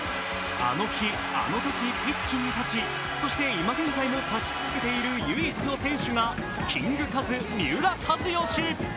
あの日、あのときピッチに立ちそして今現在も立ち続けている唯一の選手がキングカズ三浦知良。